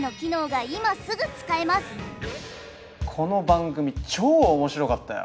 この番組超面白かったよ！